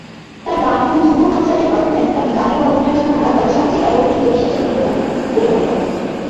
তার গান এবং ধ্রুব কনসার্টের পারফরম্যান্স তাকে গানে বা অভিনয়ের জন্য ভাড়া করা সবচেয়ে ব্যয়বহুল ইন্দোনেশিয়ার শিল্পীদের বলে মনে করে।